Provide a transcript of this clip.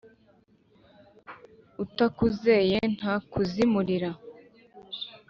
Utakuzeye ntakuzimurira,